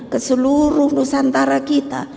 ke seluruh nusantara kita